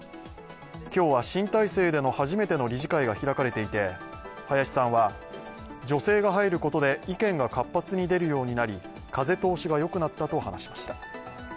今日は新体制での初めての理事会が開かれていて、林さんは、女性が入ることで意見が活発に出るようになり風通しがよくなったと話しました。